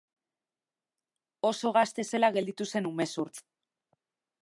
Oso gazte zela gelditu zen umezurtz.